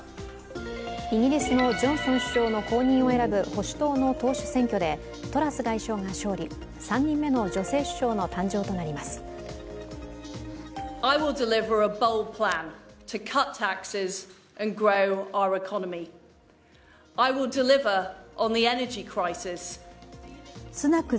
イギリスのジョンソン首相の後任を選ぶ保守党の党首選挙で、トラス外相が勝利、３人目の女性首相の誕生となりますスナク